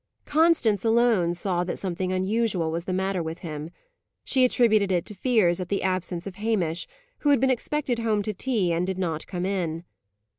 Constance alone saw that something unusual was the matter with him. She attributed it to fears at the absence of Hamish, who had been expected home to tea, and did not come in.